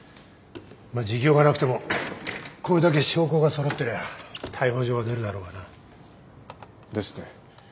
まあ自供がなくてもこれだけ証拠が揃ってりゃ逮捕状は出るだろうがな。ですね。